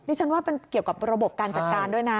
ฉันว่าเป็นเกี่ยวกับระบบการจัดการด้วยนะ